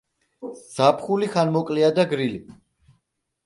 ზაფხული ხანმოკლეა და გრილი.